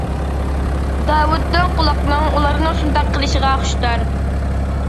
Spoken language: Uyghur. داۋۇت دىڭ قۇلاقنىڭ ئۇلارنىڭ شۇنداق قىلىشىغا خۇشتار.